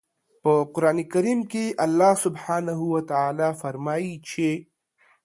په قرآن کریم کې الله سبحانه وتعالی فرمايي چې